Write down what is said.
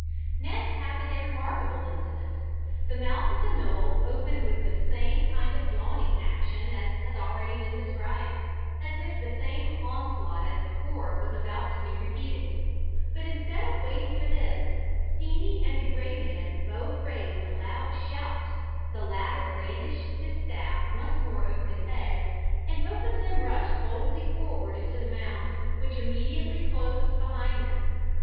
Next happened a remarkable incident. The mouth of the knoll opened with the same kind of yawning action as has been already described, as if the same onslaught as before was about to be repeated. But instead of waiting for this, "Steenie" and the "Gray Man" both raised a loud shout, the latter brandished his staff once more over his head, and both of them rushed boldly forward into the mound, which immediately closed behind them.